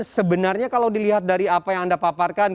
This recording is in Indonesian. sebenarnya kalau dilihat dari apa yang anda paparkan